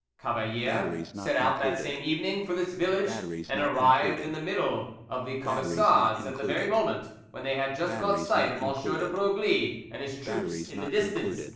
Cavalier set out the same evening for this village, and arrived in the middle of the Camisards at the very moment when they had just caught sight of M. de Broglie and his troops in the distance.